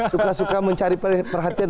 suka suka mencari perhatian